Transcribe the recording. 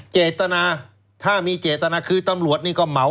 เจตนาถ้ามีเจตนาคือตำรวจนี่ก็เหมา